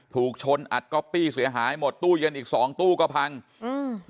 ถูกชนอัดก๊อปปี้เสียหายหมดตู้เย็นอีกสองตู้ก็พังอืม